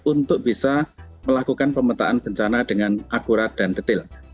untuk bisa melakukan pemetaan bencana dengan akurat dan detail